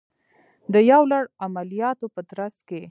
د یو لړ عملیاتو په ترڅ کې